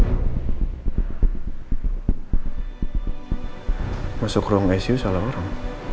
hai masuk ruang esyus orang orang